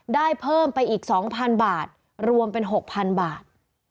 ได้เพิ่มไปอีก๒๐๐๐บาทรวมเป็น๖๐๐๐บาท